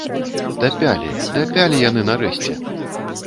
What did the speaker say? Дапялі, дапялі яны нарэшце!